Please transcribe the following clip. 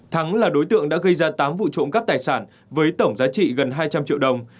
thắng là đối tượng đã gây ra tám vụ trộm cắp tài sản với tổng giá trị gần hai trăm linh triệu đồng